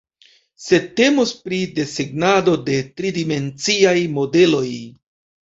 sed temos pri desegnado de tridimenciaj modeloj